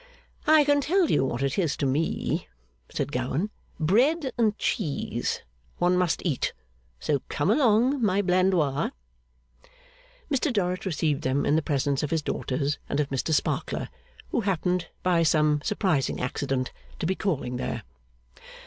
'I can tell you what it is to me,' said Gowan. 'Bread and cheese. One must eat! So come along, my Blandois.' Mr Dorrit received them in the presence of his daughters and of Mr Sparkler, who happened, by some surprising accident, to be calling there.